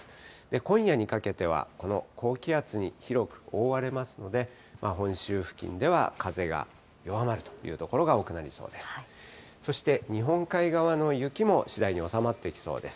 今夜にかけては、この高気圧に広く覆われますので、本州付近では風が弱まるという所が多くなりそうです。